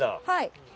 はい。